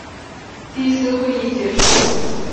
第一次会议结束。